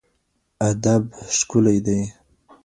ادب ښکلی دی.